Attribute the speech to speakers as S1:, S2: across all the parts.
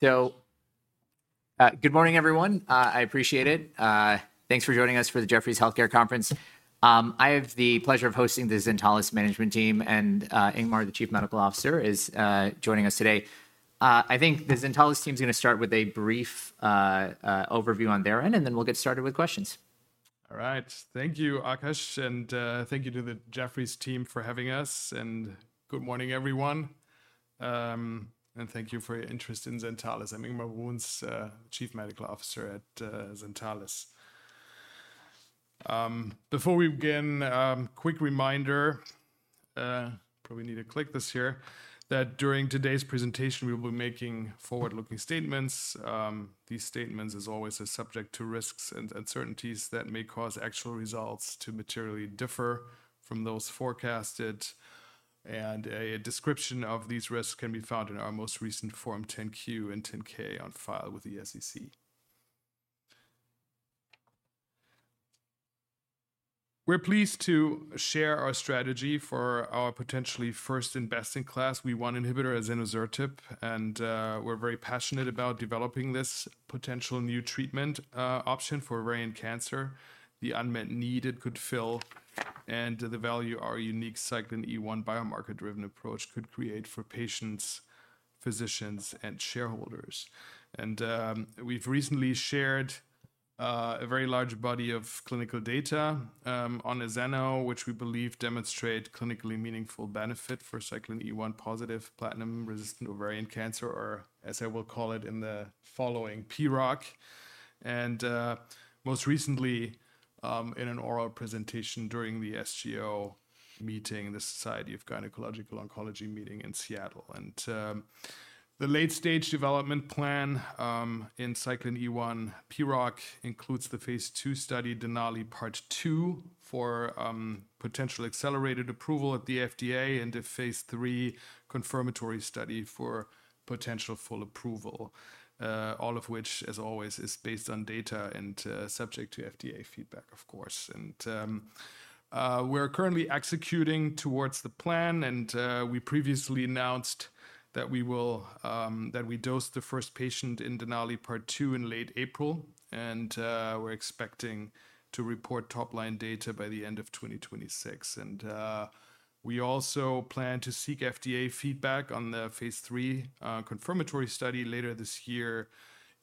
S1: Good morning, everyone. I appreciate it. Thanks for joining us for the Jefferies Healthcare Conference. I have the pleasure of hosting the Zentalis Management Team, and Ingmar, the Chief Medical Officer, is joining us today. I think the Zentalis team is going to start with a brief overview on their end, and then we'll get started with questions.
S2: All right. Thank you, Akash, and thank you to the Jefferies team for having us. Good morning, everyone. Thank you for your interest in Zentalis. I'm Ingmar Bruns, Chief Medical Officer at Zentalis. Before we begin, quick reminder, probably need to click this here, that during today's presentation, we will be making forward-looking statements. These statements are always subject to risks and uncertainties that may cause actual results to materially differ from those forecasted. A description of these risks can be found in our most recent Form 10-Q and 10-K on file with the SEC. We're pleased to share our strategy for our potentially first-in-class WEE1 inhibitor azenosertib, and we're very passionate about developing this potential new treatment option for ovarian cancer. The unmet need it could fill, and the value our unique Cyclin E1 biomarker-driven approach could create for patients, physicians, and shareholders. We have recently shared a very large body of clinical data on azenosertib, which we believe demonstrate clinically meaningful benefit for Cyclin E1-positive platinum-resistant ovarian cancer, or as I will call it in the following, PROC. Most recently, in an oral presentation during the SGO meeting, the Society of Gynecologic Oncology meeting in Seattle. The late-stage development plan in Cyclin E1 PROC includes the phase two study, Denali part two, for potential accelerated approval at the FDA, and a phase three confirmatory study for potential full approval, all of which, as always, is based on data and subject to FDA feedback, of course. We are currently executing towards the plan, and we previously announced that we dosed the first patient in Denali part II in late April, and we are expecting to report top-line data by the end of 2026. We also plan to seek FDA feedback on the phase three confirmatory study later this year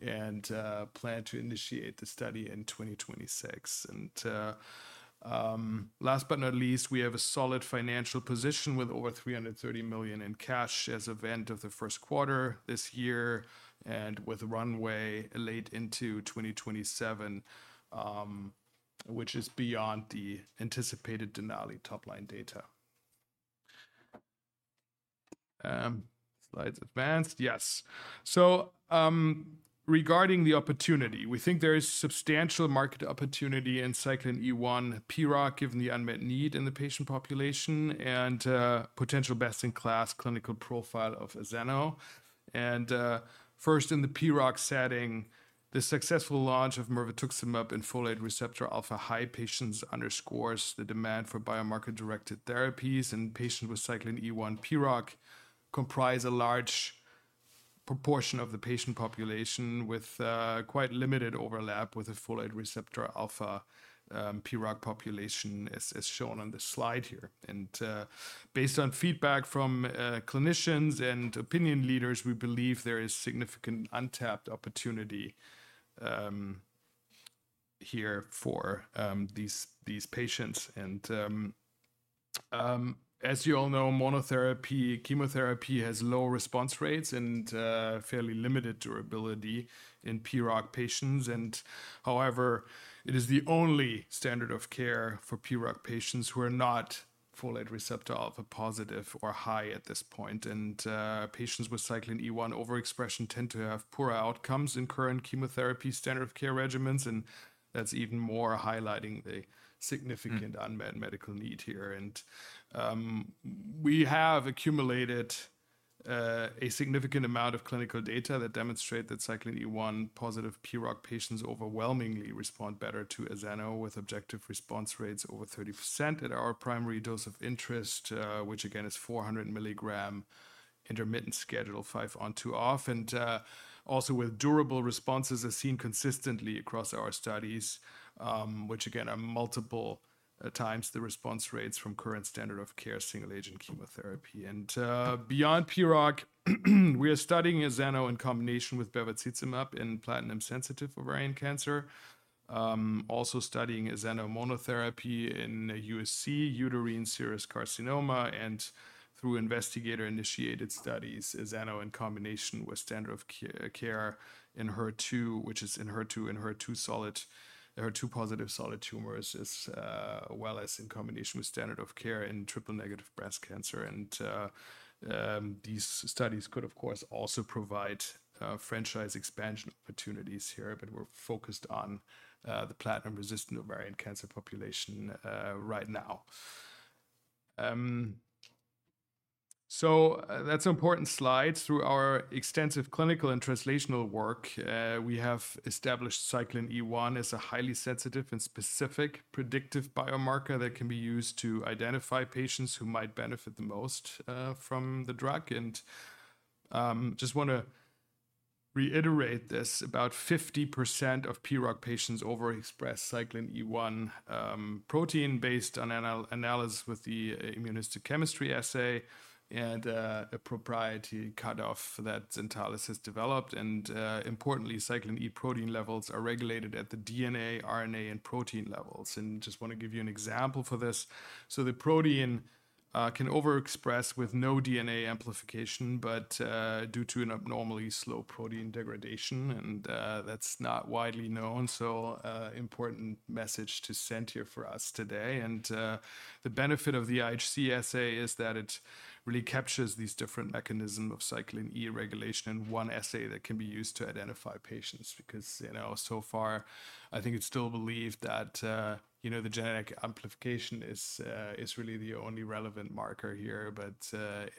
S2: and plan to initiate the study in 2026. Last but not least, we have a solid financial position with over $330 million in cash as of end of the first quarter this year and with a runway late into 2027, which is beyond the anticipated Denali top-line data. Slides advanced. Yes. Regarding the opportunity, we think there is substantial market opportunity in Cyclin E1 PROC given the unmet need in the patient population and potential best-in-class clinical profile of azenosertib. In the PROC setting, the successful launch of mirvetuximab in folate receptor alpha high patients underscores the demand for biomarker-directed therapies, and patients with Cyclin E1 PROC comprise a large proportion of the patient population with quite limited overlap with the folate receptor alpha PROC population, as shown on this slide here. Based on feedback from clinicians and opinion leaders, we believe there is significant untapped opportunity here for these patients. As you all know, monotherapy chemotherapy has low response rates and fairly limited durability in PROC patients. However, it is the only standard of care for PROC patients who are not folate receptor alpha positive or high at this point. Patients with Cyclin E1 overexpression tend to have poor outcomes in current chemotherapy standard of care regimens, and that is even more highlighting the significant unmet medical need here. We have accumulated a significant amount of clinical data that demonstrate that Cyclin E1-positive PROC patients overwhelmingly respond better to azenosertib with objective response rates over 30% at our primary dose of interest, which again is 400 mg intermittent schedule five on two off. Also, durable responses are seen consistently across our studies, which again are multiple times the response rates from current standard of care single agent chemotherapy. Beyond PROC, we are studying azenosertib in combination with bevacizumab in platinum-sensitive ovarian cancer. Also studying azenosertib monotherapy in USC, uterine serous carcinoma, and through investigator-initiated studies, azenosertib in combination with standard of care in HER2, which is in HER2-positive solid tumors, as well as in combination with standard of care in triple negative breast cancer. These studies could, of course, also provide franchise expansion opportunities here, but we're focused on the platinum-resistant ovarian cancer population right now. That's an important slide. Through our extensive clinical and translational work, we have established Cyclin E1 as a highly sensitive and specific predictive biomarker that can be used to identify patients who might benefit the most from the drug. I just want to reiterate this, about 50% of PROC patients overexpress Cyclin E1 protein based on analysis with the immunohistochemistry assay and a proprietary cutoff that Zentalis has developed. Importantly, Cyclin E protein levels are regulated at the DNA, RNA, and protein levels. I just want to give you an example for this. The protein can over express with no DNA amplification, but due to an abnormally slow protein degradation, and that's not widely known. Important message to send here for us today. The benefit of the IHC assay is that it really captures these different mechanisms of Cyclin E regulation in one assay that can be used to identify patients. Because so far, I think it's still believed that the genetic amplification is really the only relevant marker here.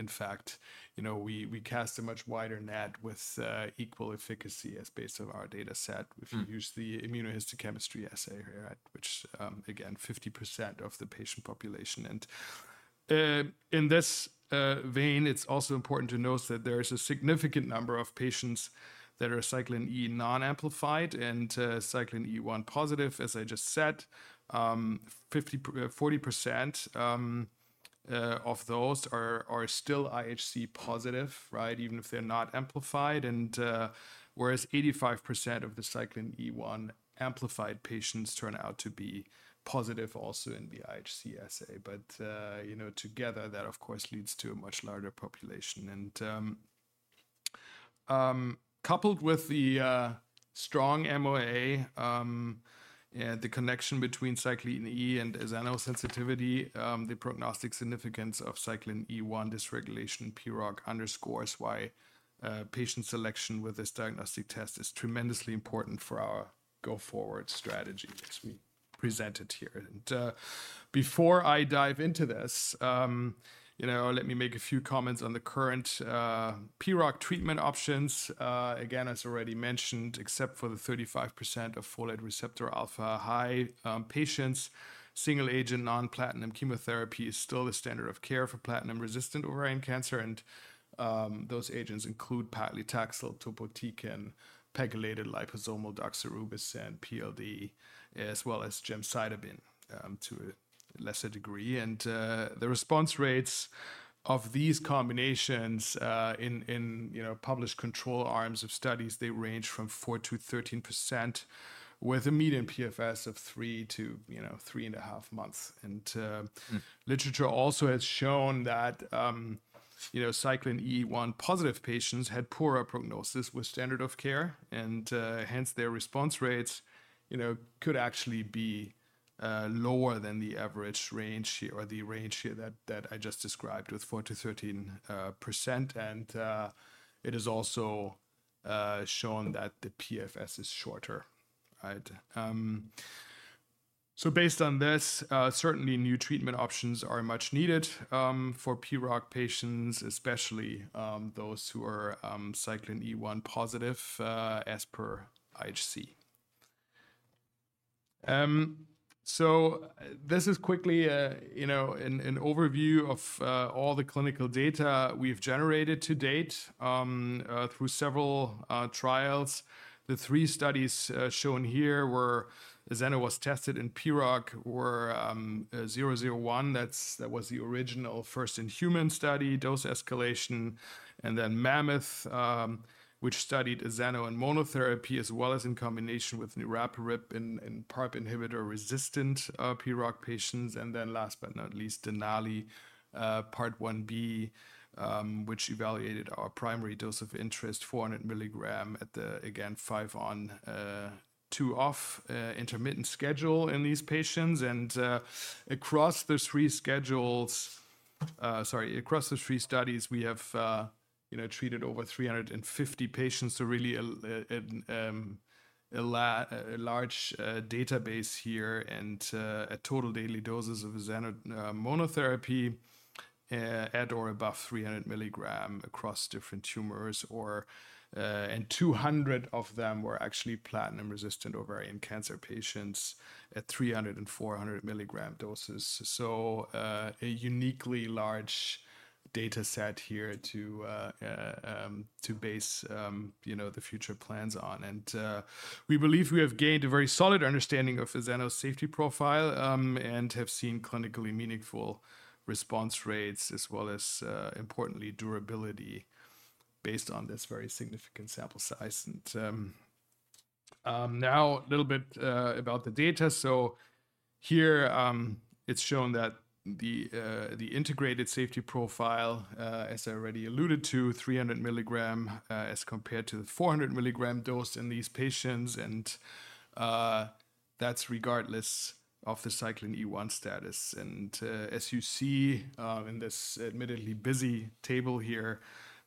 S2: In fact, we cast a much wider net with equal efficacy as based on our data set. We've used the immunohistochemistry assay here, which again, 50% of the patient population. In this vein, it's also important to note that there is a significant number of patients that are Cyclin E non-amplified and Cyclin E1 positive. As I just said, 40% of those are still IHC positive, right, even if they're not amplified. Whereas 85% of the Cyclin E1 amplified patients turn out to be positive also in the IHC assay. Together, that of course leads to a much larger population. Coupled with the strong MOA and the connection between Cyclin E and azenosertib sensitivity, the prognostic significance of Cyclin E1 dysregulation in PROC underscores why patient selection with this diagnostic test is tremendously important for our go forward strategy as we present it here. Before I dive into this, let me make a few comments on the current PROC treatment options. Again, as already mentioned, except for the 35% of folate receptor alpha high patients, single agent non-platinum chemotherapy is still the standard of care for platinum-resistant ovarian cancer. Those agents include paclitaxel, topotecan, pegylated liposomal doxorubicin, PLD, as well as gemcitabine to a lesser degree. The response rates of these combinations in published control arms of studies range from 4-13% with a median PFS of three to three and a half months. Literature also has shown that Cyclin E1-positive patients had poorer prognosis with standard of care, and hence their response rates could actually be lower than the average range here or the range here that I just described with 4%-13%. It has also shown that the PFS is shorter. Based on this, certainly new treatment options are much needed for PROC patients, especially those who are Cyclin E1-positive as per IHC. This is quickly an overview of all the clinical data we've generated to date through several trials. The three studies shown here where azenosertib was tested in PROC were 001, that was the original first-in-human study dose escalation, and then Mammoth, which studied azenosertib in monotherapy as well as in combination with niraparib in PARP inhibitor-resistant PROC patients. Last but not least, Denali part one B, which evaluated our primary dose of interest, 400 mg at the, again, five on two off intermittent schedule in these patients. Across the three schedules, sorry, across the three studies, we have treated over 350 patients. A really large database here and a total daily doses of azeno monotherapy at or above 300 mg across different tumors. Two hundred of them were actually platinum-resistant ovarian cancer patients at 300 mg and 400 mg doses. A uniquely large data set here to base the future plans on. We believe we have gained a very solid understanding of azeno safety profile and have seen clinically meaningful response rates as well as importantly durability based on this very significant sample size. Now a little bit about the data. Here it's shown that the integrated safety profile, as I already alluded to, 300 mg as compared to the 400 mg dose in these patients. That's regardless of the Cyclin E1 status. As you see in this admittedly busy table here,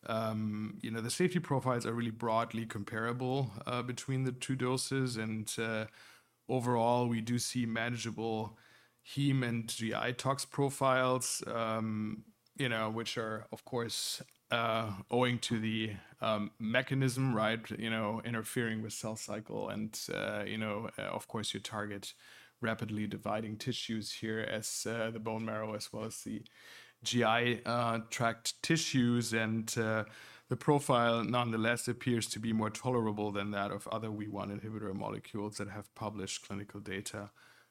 S2: the safety profiles are really broadly comparable between the two doses. Overall, we do see manageable heme and GI tox profiles, which are of course owing to the mechanism, right, interfering with cell cycle. Of course, you target rapidly dividing tissues here as the bone marrow as well as the GI tract tissues. The profile nonetheless appears to be more tolerable than that of other WEE1 inhibitor molecules that have published clinical data,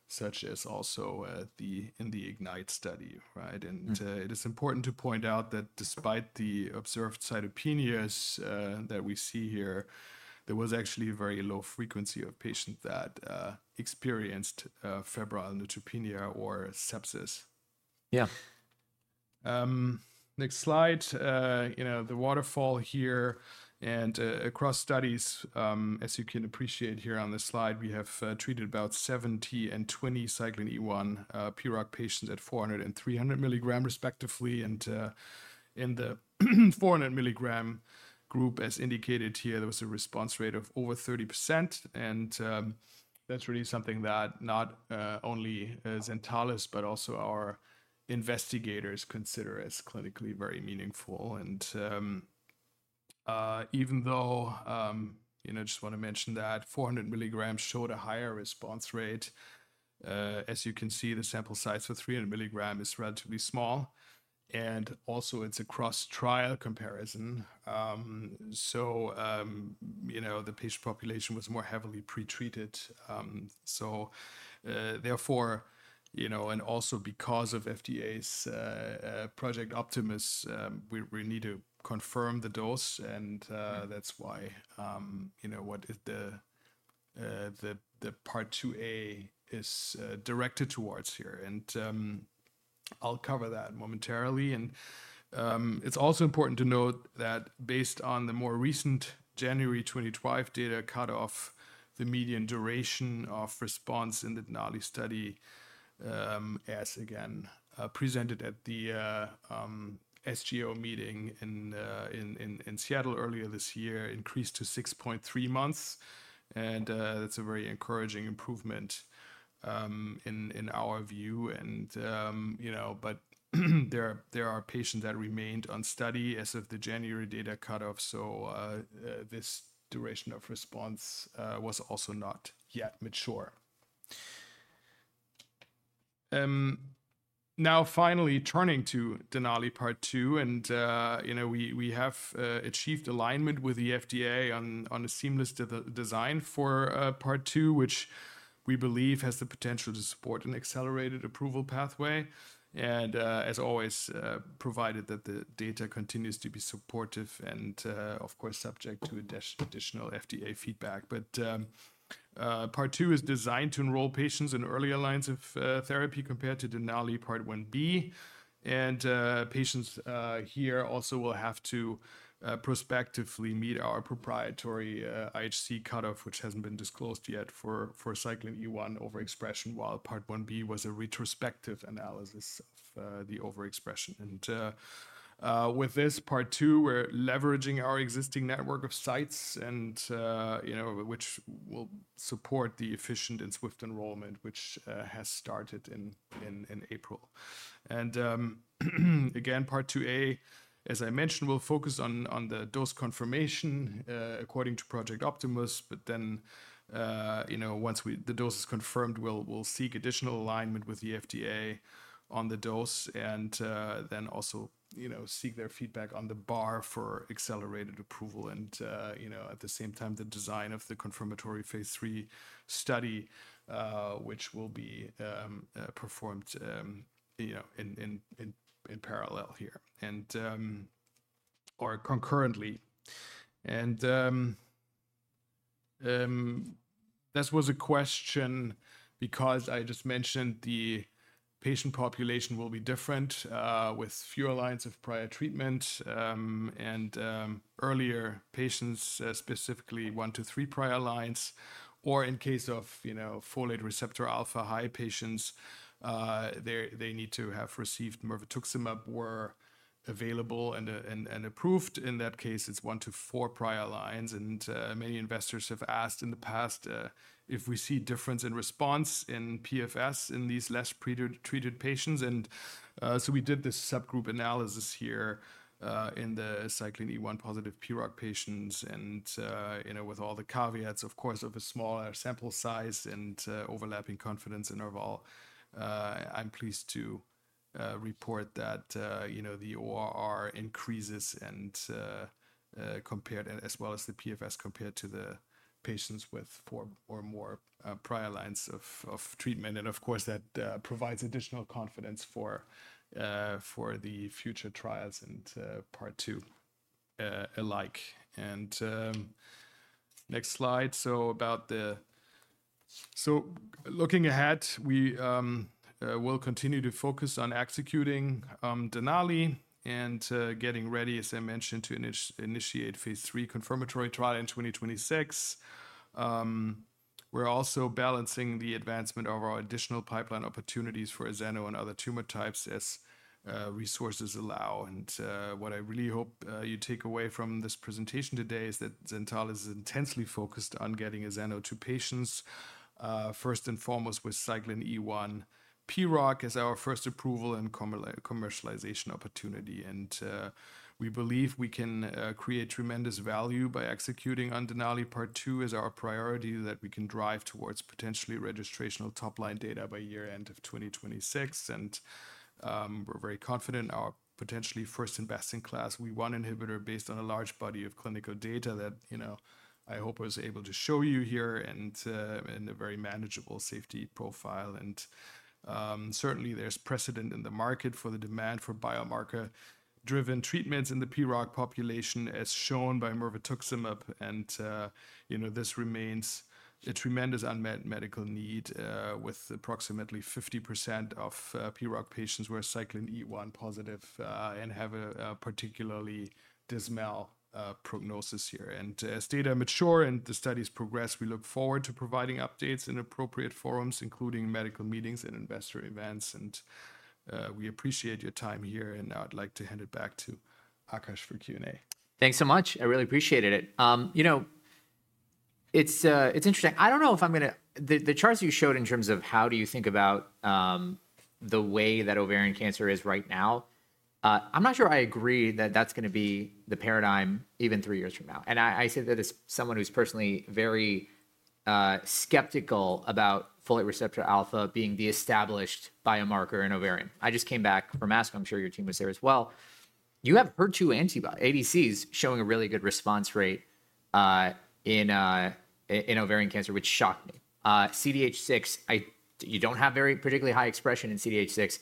S2: such as also in the Ignite study. It is important to point out that despite the observed cytopenias that we see here, there was actually a very low frequency of patients that experienced febrile neutropenia or sepsis. Yeah. Next slide. The waterfall here. Across studies, as you can appreciate here on this slide, we have treated about 70 and 20 Cyclin E1 PROC patients at 400 and 300 mg respectively. In the 400 mg group, as indicated here, there was a response rate of over 30%. That is really something that not only Zentalis, but also our investigators consider as clinically very meaningful. Even though I just want to mention that 400 mg showed a higher response rate, as you can see, the sample size for 300 mg is relatively small. Also, it is a cross-trial comparison. The patient population was more heavily pretreated. Therefore, and also because of FDA's Project Optimus, we need to confirm the dose. That is why what the part II-A is directed towards here. I'll cover that momentarily. It is also important to note that based on the more recent January 2021 data cutoff, the median duration of response in the Denali study, as again presented at the SGO meeting in Seattle earlier this year, increased to 6.3 months. That is a very encouraging improvement in our view. There are patients that remained on study as of the January data cutoff, so this duration of response was also not yet mature. Now finally turning to Denali part I, we have achieved alignment with the FDA on a seamless design for part two, which we believe has the potential to support an accelerated approval pathway. As always, provided that the data continues to be supportive and of course subject to additional FDA feedback. Part I is designed to enroll patients in early lines of therapy compared to Denali part I-B. Patients here also will have to prospectively meet our proprietary IHC cutoff, which has not been disclosed yet for Cyclin E1 overexpression, while part I- B was a retrospective analysis of the overexpression. With this part II, we are leveraging our existing network of sites, which will support the efficient and swift enrollment, which started in April. Part II- A, as I mentioned, will focus on the dose confirmation according to Project Optimus. Once the dose is confirmed, we will seek additional alignment with the FDA on the dose and then also seek their feedback on the bar for accelerated approval. At the same time, the design of the confirmatory phase III study, which will be performed in parallel here or concurrently. This was a question because I just mentioned the patient population will be different with fewer lines of prior treatment. Earlier patients, specifically one to three prior lines, or in case of folate receptor alpha high patients, they need to have received mirvetuximab where available and approved. In that case, it is one to four prior lines. Many investors have asked in the past if we see difference in response in PFS in these less treated patients. We did this subgroup analysis here in the Cyclin E1-positive PROC patients. With all the caveats, of course, of a smaller sample size and overlapping confidence interval, I'm pleased to report that the ORR increases compared as well as the PFS compared to the patients with four or more prior lines of treatment. Of course, that provides additional confidence for the future trials and part two alike. Next slide. About the, so looking ahead, we will continue to focus on executing Denali and getting ready, as I mentioned, to initiate phase three confirmatory trial in 2026. We're also balancing the advancement of our additional pipeline opportunities for azeno and other tumor types as resources allow. What I really hope you take away from this presentation today is that Zentalis is intensely focused on getting azeno to patients, first and foremost with CIIin E1 PROC as our first approval and commercialization opportunity. We believe we can create tremendous value by executing on Denali part II as our priority that we can drive towards potentially registrational top line data by year end of 2026. We are very confident our potentially first and best in class WEE1 inhibitor based on a large body of clinical data that I hope I was able to show you here and in a very manageable safety profile. Certainly, there is precedent in the market for the demand for biomarker-driven treatments in the PROC population, as shown by mirvetuximab. This remains a tremendous unmet medical need with approximately 50% of PROC patients who are Cyclin E1 positive and have a particularly dismal prognosis here. As data mature and the studies progress, we look forward to providing updates in appropriate forums, including medical meetings and investor events. We appreciate your time here. Now I'd like to hand it back to Akash for Q&A.
S1: Thanks so much. I really appreciated it. It's interesting. I don't know if I'm going to the charts you showed in terms of how do you think about the way that ovarian cancer is right now, I'm not sure I agree that that's going to be the paradigm even three years from now. I say that as someone who's personally very skeptical about folate receptor alpha being the established biomarker in ovarian. I just came back from ASCO. I'm sure your team was there as well. You have HER2 antibody, ADCs showing a really good response rate in ovarian cancer, which shocked me. CDH6, you don't have very particularly high expression in CDH6.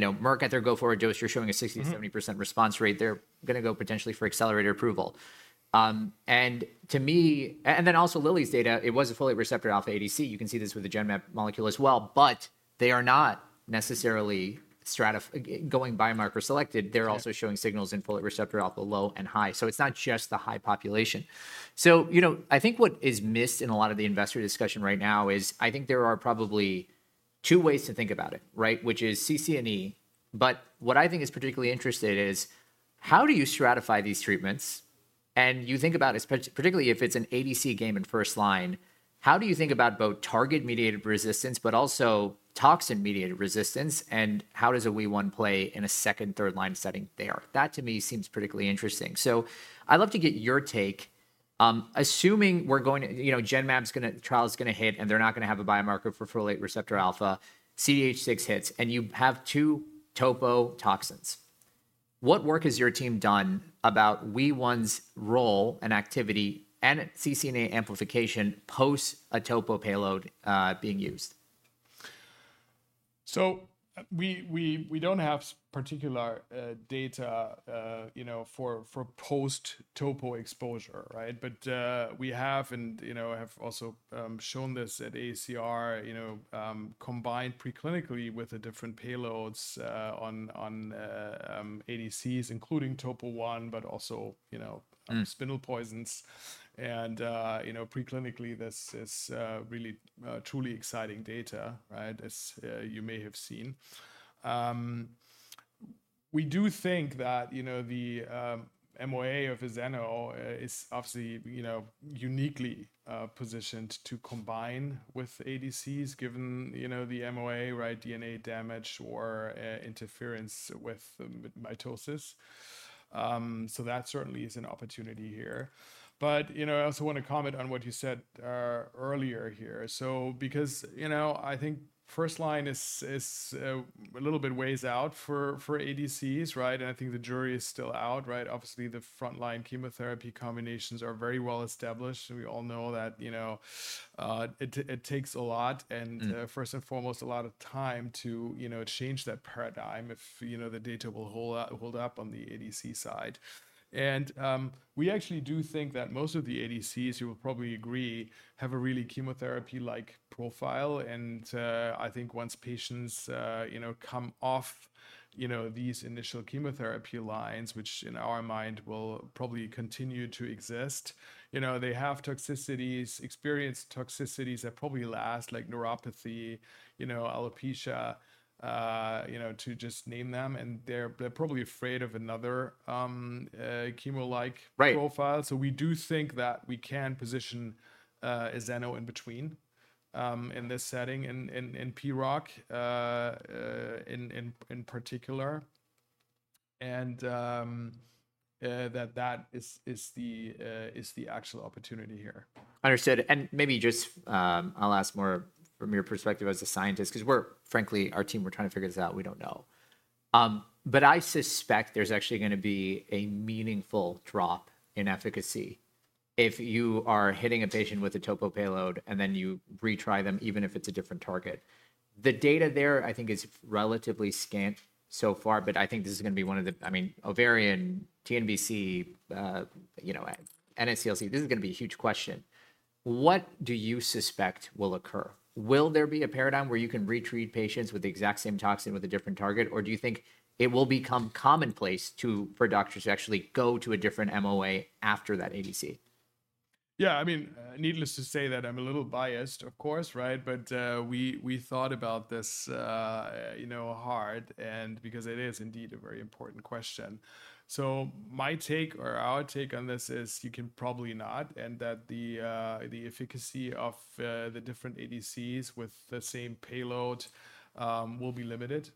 S1: Merck, at their go forward dose, you're showing a 60-70% response rate. They're going to go potentially for accelerated approval. To me, and then also Lilly's data, it was a folate receptor alpha ADC. You can see this with the Genmab molecule as well, but they are not necessarily going biomarker selected. They are also showing signals in folate receptor alpha low and high. It is not just the high population. I think what is missed in a lot of the investor discussion right now is I think there are probably two ways to think about it, which is CCNE. What I think is particularly interesting is how do you stratify these treatments? You think about, particularly if it is an ADC game in first line, how do you think about both target mediated resistance, but also toxin mediated resistance? How does a WEE1 play in a second, third line setting there? That to me seems particularly interesting. I would love to get your take. Assuming we're going to Genmab going to trial is going to hit, and they're not going to have a biomarker for folate receptor alpha, CDH6 hits, and you have two topo toxins. What work has your team done about WEE1's role and activity and CCNA amplification post a topo payload being used?
S2: We do not have particular data for post topo exposure, right? We have and have also shown this at AACR combined preclinically with different payloads on ADCs, including TopoONE, but also spindle poisons. Pre-clinically, this is really truly exciting data, as you may have seen. We do think that the MOA of azeno is obviously uniquely positioned to combine with ADCs given the MOA, DNA damage or interference with mitosis. That certainly is an opportunity here. I also want to comment on what you said earlier here. Because I think first line is a little bit ways out for ADCs, and I think the jury is still out. Obviously, the front line chemotherapy combinations are very well established. We all know that it takes a lot and first and foremost, a lot of time to change that paradigm if the data will hold up on the ADC side. We actually do think that most of the ADCs, you will probably agree, have a really chemotherapy-like profile. I think once patients come off these initial chemotherapy lines, which in our mind will probably continue to exist, they have toxicities, experienced toxicities that probably last like neuropathy, alopecia, to just name them. They're probably afraid of another chemo-like profile. We do think that we can position azeno in between in this setting in PROC in particular. That is the actual opportunity here.
S1: Understood. Maybe just I'll ask more from your perspective as a scientist because we're, frankly, our team, we're trying to figure this out. We don't know. I suspect there's actually going to be a meaningful drop in efficacy if you are hitting a patient with a topo payload and then you retry them, even if it's a different target. The data there, I think, is relatively scant so far. I think this is going to be one of the, I mean, ovarian, TNBC, NSCLC. This is going to be a huge question. What do you suspect will occur? Will there be a paradigm where you can retreat patients with the exact same toxin with a different target, or do you think it will become commonplace for doctors to actually go to a different MOA after that ADC?
S2: Yeah, I mean, needless to say that I'm a little biased, of course, right? We thought about this hard because it is indeed a very important question. My take or our take on this is you can probably not and that the efficacy of the different ADCs with the same payload will be limited,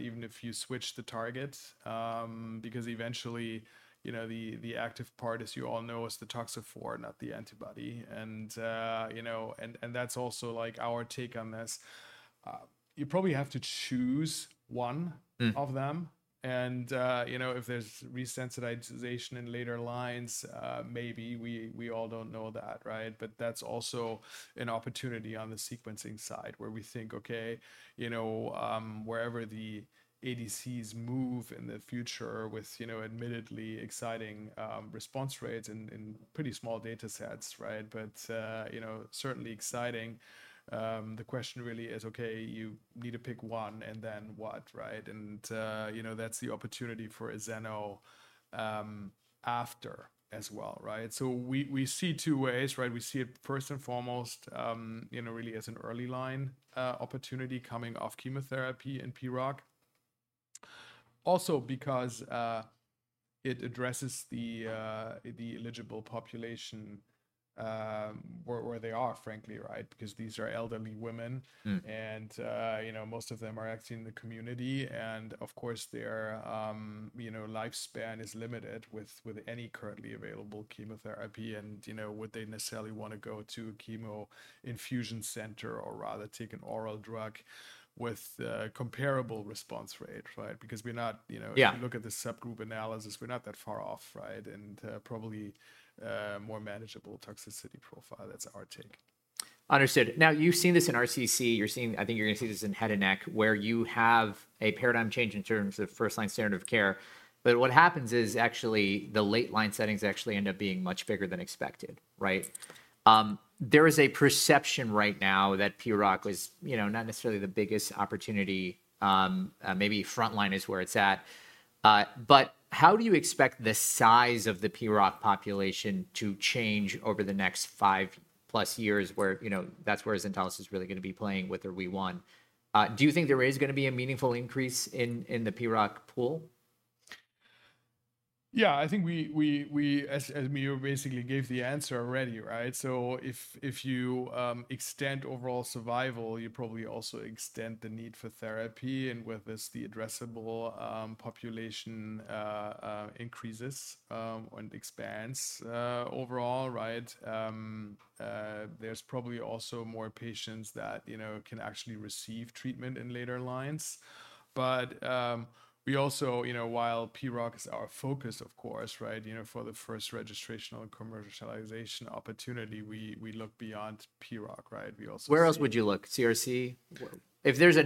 S2: even if you switch the target because eventually the active part, as you all know, is the toxophore, not the antibody. That's also our take on this. You probably have to choose one of them. If there's resensitization in later lines, maybe we all do not know that, right? That's also an opportunity on the sequencing side where we think, okay, wherever the ADCs move in the future with admittedly exciting response rates in pretty small data sets, but certainly exciting. The question really is, okay, you need to pick one and then what, right? That is the opportunity for azeno after as well, right? We see two ways, right? We see it first and foremost really as an early line opportunity coming off chemotherapy in PROC. Also because it addresses the eligible population where they are, frankly, right? These are elderly women and most of them are actually in the community. Of course, their lifespan is limited with any currently available chemotherapy. Would they necessarily want to go to a chemo infusion center or rather take an oral drug with comparable response rate, right? If you look at the subgroup analysis, we are not that far off, right? Probably more manageable toxicity profile. That is our take. Understood. Now, you have seen this in RCC.
S1: You're seeing, I think you're going to see this in Head and Neck, where you have a paradigm change in terms of first line standard of care. What happens is actually the late line settings actually end up being much bigger than expected, right? There is a perception right now that PROC is not necessarily the biggest opportunity. Maybe front line is where it's at. How do you expect the size of the PROC population to change over the next five plus years where that's where Zentalis is really going to be playing with their WEE1? Do you think there is going to be a meaningful increase in the PROC pool?
S2: Yeah, I think we, as Mireille basically gave the answer already, right? If you extend overall survival, you probably also extend the need for therapy. With this, the addressable population increases and expands overall, right? There is probably also more patients that can actually receive treatment in later lines. We also, while PROC is our focus, of course, for the first registrational commercialization opportunity, we look beyond PROC, right? We also.
S1: Where else would you look? CRC? If there is a,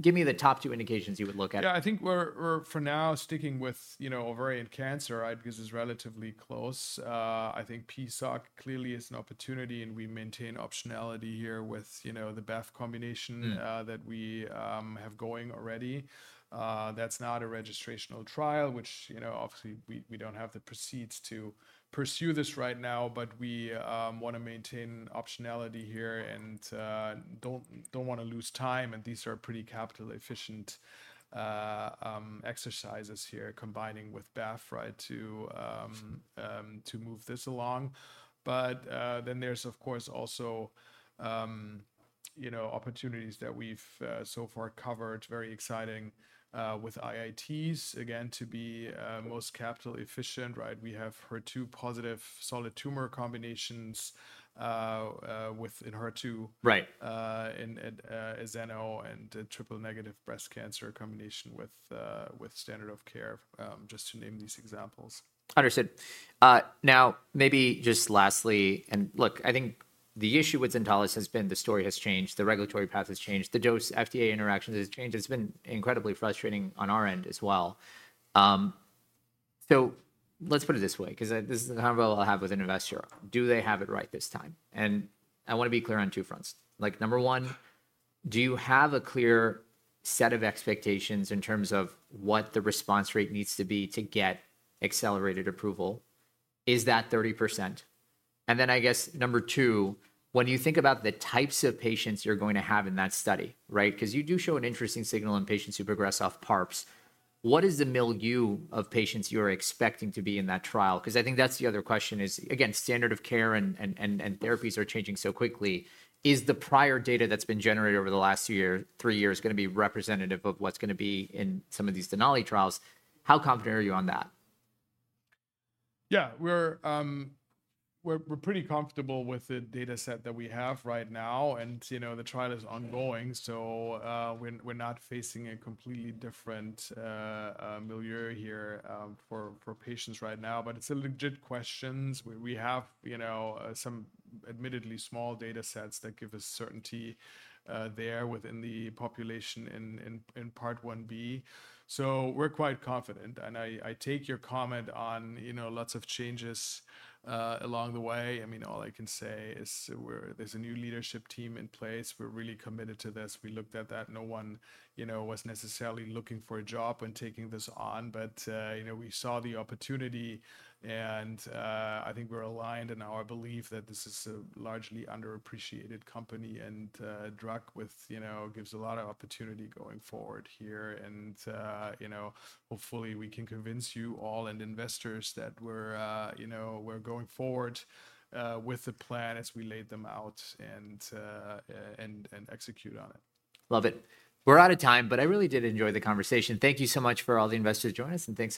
S1: give me the top two indications you would look at.
S2: Yeah, I think we are for now sticking with ovarian cancer, right? Because it is relatively close. I think PSOC clearly is an opportunity and we maintain optionality here with the BEF combination that we have going already. That is not a registrational trial, which obviously we do not have the proceeds to pursue this right now, but we want to maintain optionality here and do not want to lose time. These are pretty capital efficient exercises here combining with BEF to move this along. But then there's, of course, also opportunities that we've so far covered, very exciting with IITs, again, to be most capital efficient, right? We have HER2 positive solid tumor combinations within HER2 azeno and triple negative breast cancer combination with standard of care, just to name these examples.
S1: Understood. Now, maybe just lastly, and look, I think the issue with Zentalis has been, the story has changed, the regulatory path has changed, the dose FDA interactions have changed. It's been incredibly frustrating on our end as well. Let's put it this way, because this is the convo I'll have with an investor. Do they have it right this time? I want to be clear on two fronts. Number one, do you have a clear set of expectations in terms of what the response rate needs to be to get accelerated approval? Is that 30%? I guess number two, when you think about the types of patients you're going to have in that study, right? Because you do show an interesting signal in patients who progress off PARPs. What is the milieu of patients you're expecting to be in that trial? Because I think that's the other question is, again, standard of care and therapies are changing so quickly. Is the prior data that's been generated over the last three years going to be representative of what's going to be in some of these Denali trials? How confident are you on that?
S2: Yeah, we're pretty comfortable with the data set that we have right now. The trial is ongoing. We're not facing a completely different milieu here for patients right now. It's a legit question. We have some admittedly small data sets that give us certainty there within the population in part one B. We are quite confident. I take your comment on lots of changes along the way. I mean, all I can say is there is a new leadership team in place. We are really committed to this. We looked at that. No one was necessarily looking for a job when taking this on, but we saw the opportunity. I think we are aligned in our belief that this is a largely underappreciated company and drug that gives a lot of opportunity going forward here. Hopefully, we can convince you all and investors that we are going forward with the plan as we laid them out and execute on it.
S1: Love it. We are out of time, but I really did enjoy the conversation. Thank you so much for all the investors joining us.
S2: Thank you.